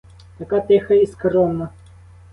Така тиха і скромна.